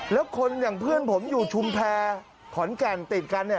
แล้วคนอย่างเพื่อนผมอยู่ชุมแพรขอนแก่นติดกันเนี่ย